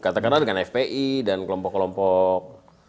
katakanlah dengan fpi dan kelompok kelompok